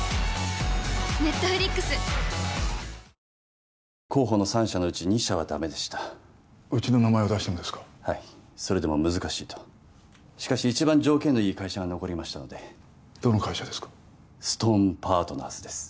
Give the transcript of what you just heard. いよいよ本番だよ候補の３社のうち２社はダメでしたうちの名前を出してもですかはいそれでも難しいとしかし一番条件のいい会社が残りましたのでどの会社ですかＳｔｏｎｅＰａｒｔｎｅｒｓです